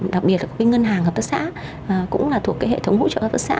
đặc biệt là cái ngân hàng hợp tác xã cũng là thuộc cái hệ thống hỗ trợ hợp tác xã